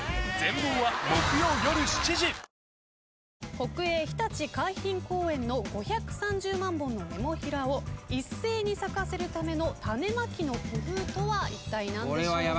国営ひたち海浜公園の５３０万本のネモフィラを一斉に咲かせるための種まきの工夫とはいったい何でしょうか。